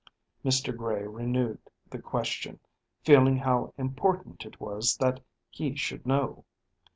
Mr. Gray renewed the question, feeling how important it was that he should know.